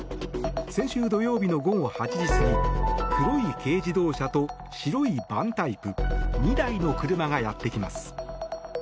先週土曜日の午後８時過ぎ黒い軽自動車と白いバンタイプ２台の車がやってきます。